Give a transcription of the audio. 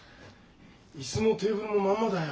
椅子もテーブルもまんまだよ。